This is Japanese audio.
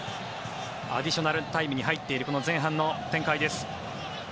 アディショナルタイムに入っている前半の展開です。